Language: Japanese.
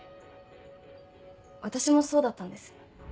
私もそうだったんです。